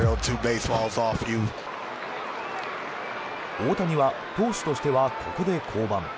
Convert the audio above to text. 大谷は投手としてはここで降板。